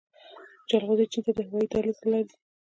جلغوزي چین ته د هوايي دهلیز له لارې ځي